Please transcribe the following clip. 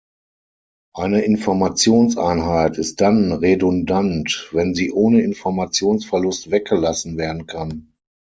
Eine Informationseinheit ist dann redundant, wenn sie ohne Informationsverlust weggelassen werden kann.